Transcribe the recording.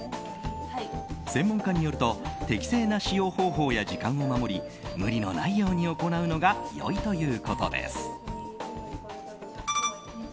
専門家によると適正な使用方法や時間を守り無理のないように行うのが良いということです。